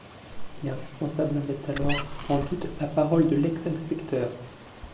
Les responsables mettent alors en doute la parole de l'ex-inspecteur.